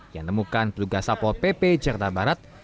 yang nemukan pelugas sapo pp jakarta barat